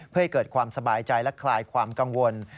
เพื่อให้เกิดความสบายใจและคลายความกังวล